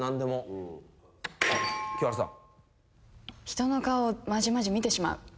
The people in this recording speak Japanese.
人の顔をまじまじ見てしまう。